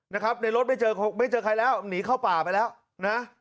นะครับในรถไม่เจอไม่เจอใครแล้วหนีเข้าป่าไปแล้วนะ